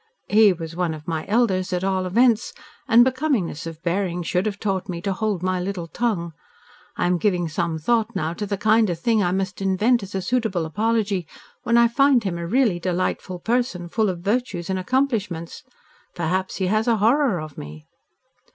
"He was one of my elders, at all events, and becomingness of bearing should have taught me to hold my little tongue. I am giving some thought now to the kind of thing I must invent as a suitable apology when I find him a really delightful person, full of virtues and accomplishments. Perhaps he has a horror of me."